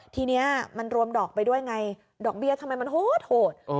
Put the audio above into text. ทีนี้มันรวมดอกไปด้วยไงดอกเบี้ยทำไมมันโหด